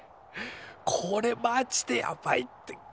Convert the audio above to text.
これマジでやばいって。